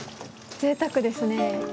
ぜいたくですね。